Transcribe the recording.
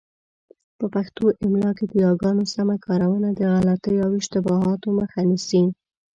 په پښتو املاء کي د یاګانو سمه کارونه د غلطیو او اشتباهاتو مخه نیسي.